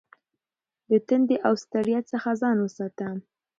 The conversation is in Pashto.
د تندې او ستړیا څخه ځان وساته.